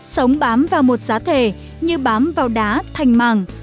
sống bám vào một giá thể như bám vào đá thành màng